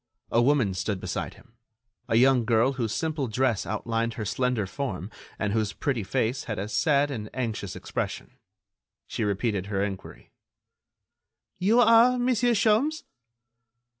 A woman stood beside him; a young girl whose simple dress outlined her slender form and whose pretty face had a sad and anxious expression. She repeated her enquiry: "You are Monsieur Sholmes?"